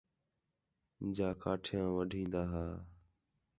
جا کاٹھیاں وڈھین٘دا ہا